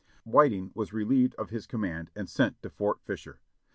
Whiting was relieved of his command and sent to Fort Fisher.